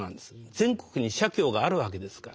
全国に社協があるわけですから。